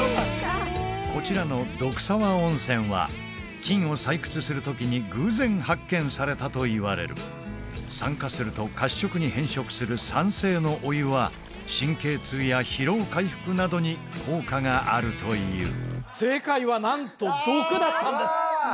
こちらの毒沢温泉は金を採掘するときに偶然発見されたといわれる酸化すると褐色に変色する酸性のお湯は神経痛や疲労回復などに効果があるという正解はなんと「毒」だったんです